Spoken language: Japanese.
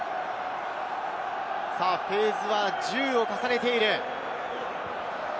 フェーズは１０を重ねている。